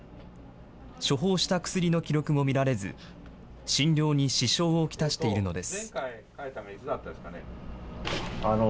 処方した薬の記録も見られず、診療に支障を来しているのです。